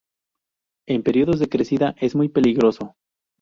En periodos de crecida es muy peligroso.